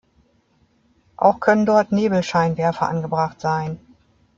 Auch können dort Nebelscheinwerfer angebracht sein.